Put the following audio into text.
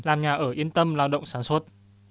làm nhà ở yên tâm lao động sản xuất